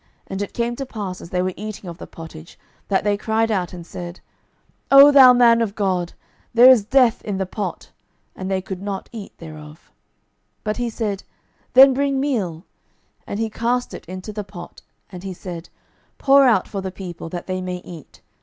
And it came to pass, as they were eating of the pottage, that they cried out, and said, O thou man of God, there is death in the pot. And they could not eat thereof. 12:004:041 But he said, Then bring meal. And he cast it into the pot; and he said, Pour out for the people, that they may eat.